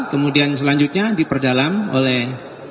kemudian selanjutnya diperdalam oleh